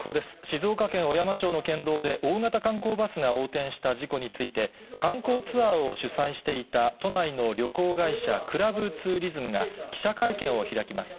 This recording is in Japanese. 静岡県小山町の県道で大型観光バスが横転した事故について、観光ツアーを主催していた都内の旅行会社クラブツーリズムが記者会見を開きます。